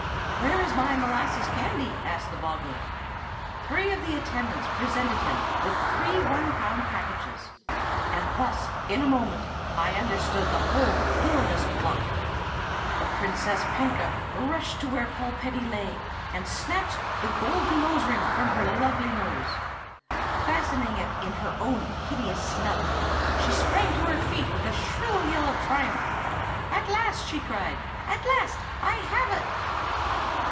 "'Where is my molasses candy?' asked the bogghun. Three of the attendants presented him with three one pound packages; and thus in a moment I understood the whole villanous plot. The Princess Panka rushed to where Polpetti lay, and snatched the golden nose ring from her lovely nose. Fastening it in her own hideous snub, she sprang to her feet with a shrill yell of triumph. 'At last!' she cried,—'at last I have it!